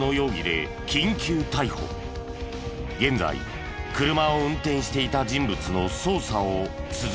現在車を運転していた人物の捜査を続けている。